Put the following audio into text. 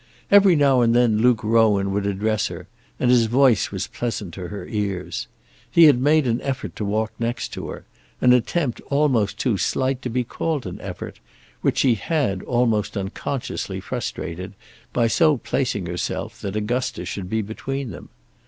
Every now and then Luke Rowan would address her, and his voice was pleasant to her ears. He had made an effort to walk next to her, an attempt almost too slight to be called an effort, which she had, almost unconsciously, frustrated, by so placing herself that Augusta should be between them.